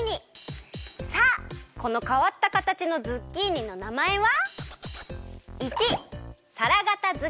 さあこのかわったかたちのズッキーニのなまえは？